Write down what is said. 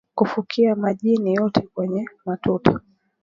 kufukia majni yote kwenye matuta